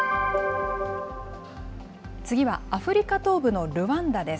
次はアフリカ東部のルワンダです。